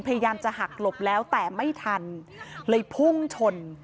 พยายามจะหักหลบแล้วแต่ไม่ทันเลยพุ่งชน